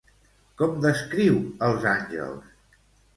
Com descriu els àngels?